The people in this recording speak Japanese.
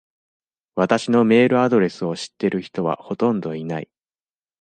私のメールアドレスを知ってる人はほとんどいない。